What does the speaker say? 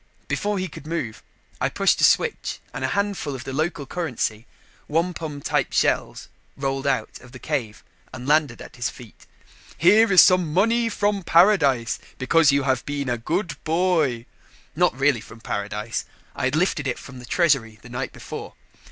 Before he could move, I pushed a switch and a handful of the local currency, wampum type shells, rolled out of the cave and landed at his feet. "Here is some money from paradise, because you have been a good boy." Not really from paradise I had lifted it from the treasury the night before.